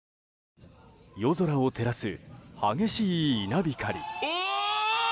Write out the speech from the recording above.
夜空を照らす、激しい稲光。